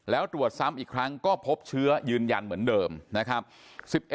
แล้วตรวจซ้ำอีกครั้งก็พบเชื้อยืนยันเหมือนเดิมนะครับ